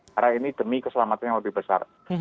karena ini demi keselamatan yang lebih besar